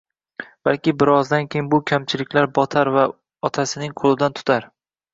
Balki bir oz keyin bu kamchiliklar botar vau otasining ko'lidan tutar...